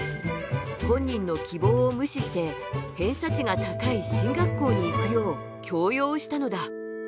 本人の希望を無視して偏差値が高い進学校に行くよう強要したのだ。